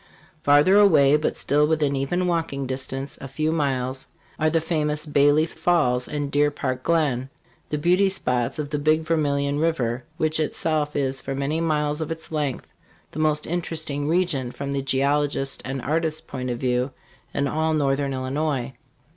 Farther away, but still within even walking distance a few miles are the famous Bailey's Falls and Deer Park Glen, the beauty spots of the Big Vermilion river, which itself is for many miles of its length the most interesting region, from the geologist's and artist's point of view, in all northern Illinois.